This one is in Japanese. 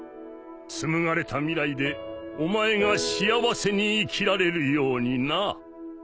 紡がれた未来でお前が幸せに生きられるようにな。